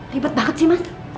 ribet banget sih mas